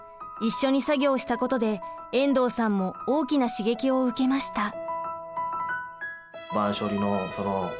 一緒に作業したことで遠藤さんも大きな刺激を受けました。